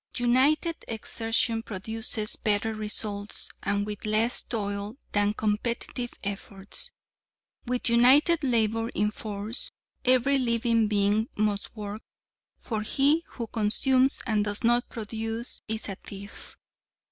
United exertion produces better results and with less toil than competitive efforts. With united labor in force, every living being must work, for he who consumes and does not produce is a thief.